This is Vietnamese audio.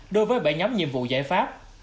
đối với bảy nhóm nhiệm vụ giải pháp